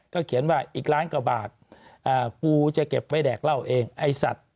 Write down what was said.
เขียนว่าอีกล้านกว่าบาทปูจะเก็บไว้แดกเหล้าเองไอ้สัตว์